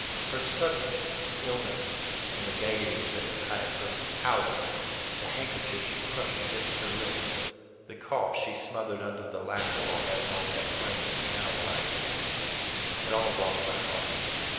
Her sudden illness, when the gayety was at its height, her pallor, the handkerchief she crushed against her lips, the cough she smothered under the laughter while Gaston kept playing the piano lightly—it all wrung my heart.